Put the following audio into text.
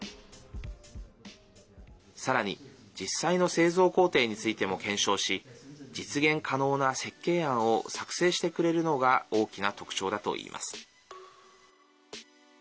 さらに実際の製造工程についても検証し実現可能な設計案を作成してくれるのが大きな特徴だといいます。